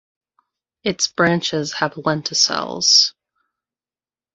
Its branches have lenticels.